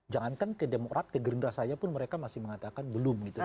jangankan ke demokrat ke gerindra saja pun mereka masih mengatakan belum gitu